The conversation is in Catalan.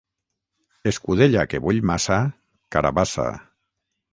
Escudella que bull massa, carabassa.